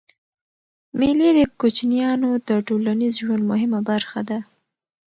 مېلې د کوچنيانو د ټولنیز ژوند مهمه برخه ده.